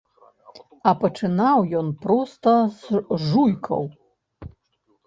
А пачынаў ён проста з жуйкаў.